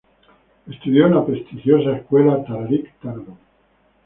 Estudió en la prestigiosa escuela St.